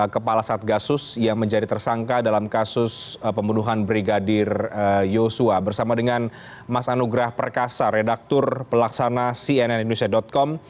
kepala satgasus yang menjadi tersangka dalam kasus pembunuhan brigadir yosua bersama dengan mas anugrah perkasa redaktur pelaksana cnn indonesia com